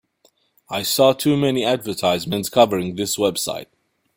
I saw too many advertisements covering this website.